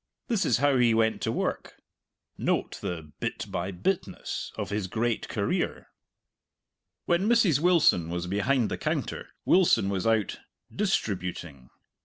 This is how he went to work. Note the "bit by bitness" of his great career. When Mrs. Wilson was behind the counter, Wilson was out "distributing."